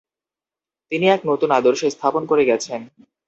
তিনি এক নতুন আদর্শ স্থাপন করে গেছেন।